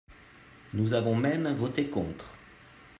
Nous avons même voté contre.